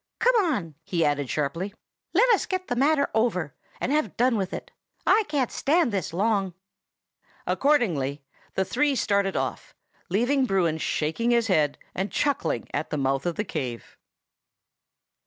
Come on!" he added sharply. "Let us get the matter over, and have done with it. I can't stand this long." Accordingly the three started off, leaving Bruin shaking his head and chuckling at the mouth of the cave.